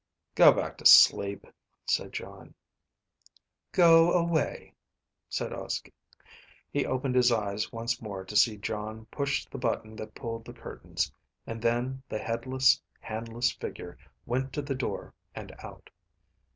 "Go back to sleep," said Jon. "Go away," said Uske. He opened his eyes once more to see Jon push the button that pulled the curtains. And then the headless, handless figure went to the door and out.